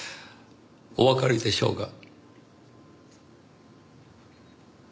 おわかりでしょうが。